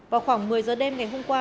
vào khoảng một mươi giờ đêm ngày hôm qua